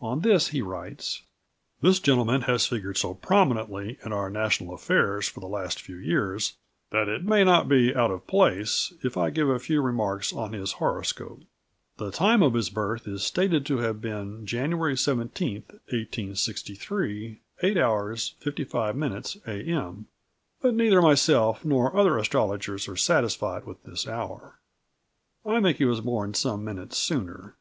On this he writes: "This gentleman has figured so prominently in our national affairs for the last few years, that it may not be out of place if I give a few remarks on his horoscope. The time of his birth is stated to have been January 17th, 1863, 8h. 55m. A.M., but neither myself, nor other Astrologers, are satisfied with this hour. I think he was born some minutes sooner.